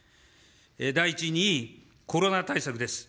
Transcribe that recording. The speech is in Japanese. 第１にコロナ対策です。